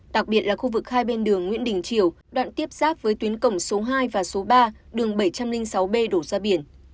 đặc biệt là khu vực hai bên đường nguyễn đình triều đoạn tiếp giáp với tuyến cổng số hai và số ba đường bảy trăm linh sáu b đổ ra biển